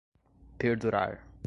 perdurar